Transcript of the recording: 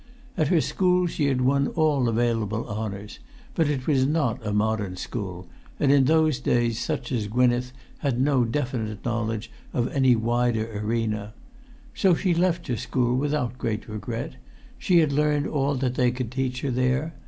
At her school she had won all available honours, but it was not a modern school, and in those days such as Gwynneth had no definite knowledge of any wider arena. So she left her school without great regret. She had learnt all that they could teach her there.